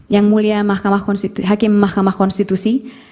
yang mulia hakim mahkamah konstitusi